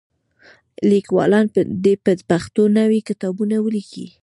لیکوالان دې په پښتو نوي کتابونه ولیکي.